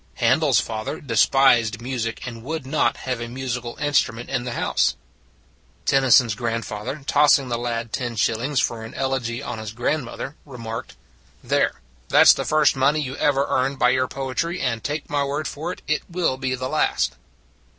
Handel s father despised music and would not have a musical instrument in the house. Tennyson s grandfather, tossing the lad ten shillings for an elegy on his grand 192 It s a Good Old World mother, remarked: "There, that s the first money you ever earned by your poetry, and, take my word for it, it will be the last."